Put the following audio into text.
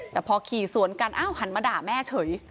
แต่พอขี่สวนกันอ้าวหันมาด่าแม่เฉย